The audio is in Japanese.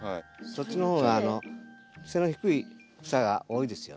そっちの方が背の低い草が多いですよね。